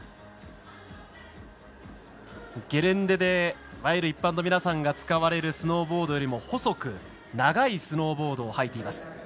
ゲレンデでいわゆる一般の皆さんが使われるスノーボードよりも細く長いスノーボードをはいています。